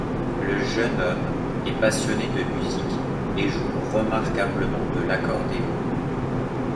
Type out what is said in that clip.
Le jeune homme est passionné de musique et joue remarquablement de l'accordéon.